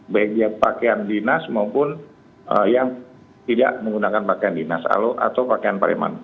baik dia pakaian dinas maupun yang tidak menggunakan pakaian dinas atau pakaian pareman